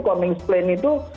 koming plain itu